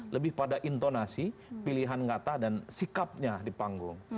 lebih pada intonasi pilihan nyata dan sikapnya di panggung